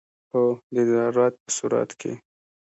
هو، د ضرورت په صورت کې